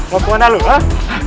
ngapungan lu hah